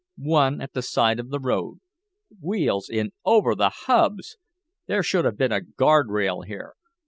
One at the side of the road. Wheels in over the hubs! There should have been a guard rail here.